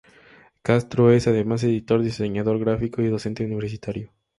Castro es, además, editor, diseñador gráfico y docente universitario.